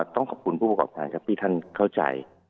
ต้องขอบคุณผู้ประกอบการครับที่ท่านเข้าใจ